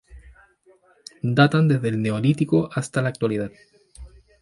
Datan desde el Neolítico hasta la actualidad.